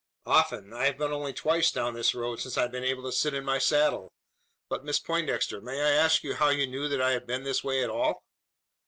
"Often! I have been only twice down this road since I have been able to sit in my saddle. But, Miss Poindexter, may I ask how you knew that I have been this way at all?"